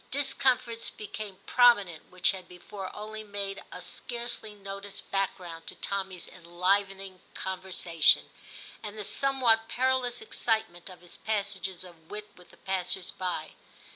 Discomforts became prominent which had before only made a scarcely noticed back ground to Tommy's enlivening conversation, and the somewhat perilous excitement of his passages of wit with the passers by.